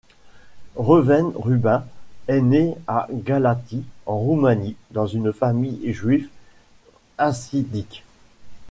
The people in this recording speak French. Reuven Rubin est né à Galaţi en Roumanie dans une famille juifs hassidiques.